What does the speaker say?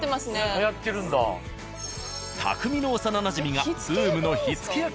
たくみの幼馴染がブームの火付け役！